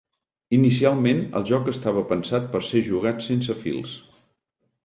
Inicialment, el joc estava pensat per ser jugat sense fils